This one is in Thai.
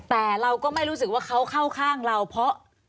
แต่เราก็ไม่รู้สึกว่าเขาเข้าข้างเราเพราะ